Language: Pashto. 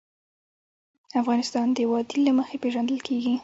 افغانستان د وادي له مخې پېژندل کېږي.